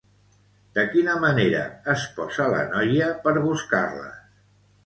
De quina manera es posa la noia per buscar-les?